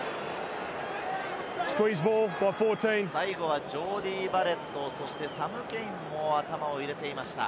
最後はジョーディー・バレット、そしてサム・ケインも頭を入れていました。